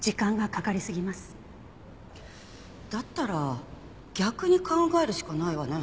だったら逆に考えるしかないわね。